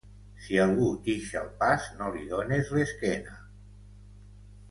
Si algú t'ix al pas, no li dones l'esquena